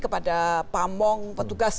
kepada pamong petugas